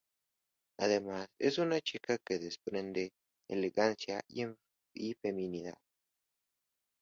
Además es una chica que desprende elegancia y feminidad.